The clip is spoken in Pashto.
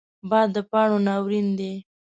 باد د پاڼو ناورین دی